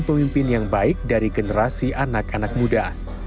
pemimpin yang baik dari generasi anak anak muda